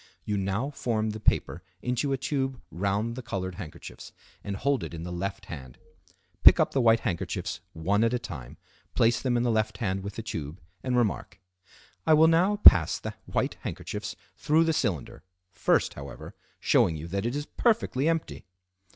You now form the paper into a tube round the colored handkerchiefs and hold it in the left hand. Pick up the white handkerchiefs one at a time, place them in the left hand with the tube, and remark:—"I will now pass the white handkerchiefs through the cylinder, first, however, showing you that it is perfectly empty."